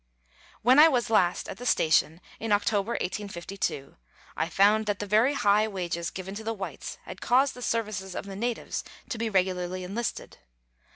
When I was last at the station in October 1852, 1 found that the very high wages given to the whites had caused the services of the natives to be regularly enlisted.